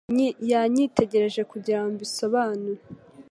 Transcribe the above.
Yanyitegereje kugira ngo mbisobanure.